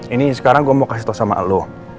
ini sekarang gue mau kasih tau sama lo